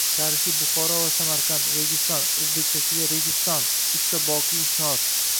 — Tarixiy Buxoro va Samarqand, Registan — oʻzbekchasiga Registon, uchta boqiy inshoot...